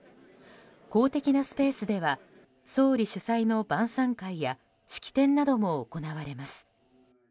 公的なスペースでは総理主催の晩さん会や式典なども行われます。